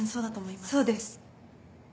そうです。